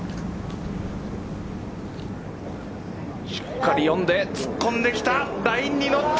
しっかり読んで突っ込んできた。